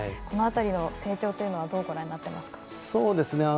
この辺りに成長というのはどうご覧になってますか。